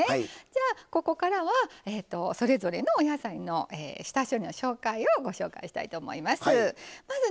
じゃあここからはそれぞれのお野菜の下処理の紹介をご紹介したいと思います。